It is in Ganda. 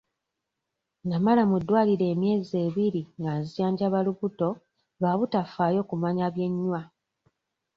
Namala mu ddwaliro emyezi ebiri nga nzijanjaba lubuto lwa butafaayo kumanya bye nnywa.